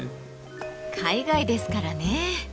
海外ですからね。